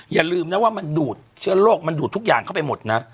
อย่าลืมนะว่ามันดูดเชื้อโรคมันดูดทุกอย่างเข้าไปหมดนะ